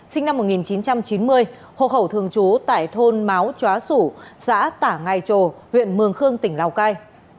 sinh năm một nghìn chín trăm chín mươi hộ khẩu thường trú tại thôn máo chóa sủ xã tả ngài trồ huyện mường khương tỉnh lào cai